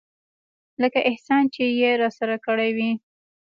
لکه احسان چې يې راسره کړى وي.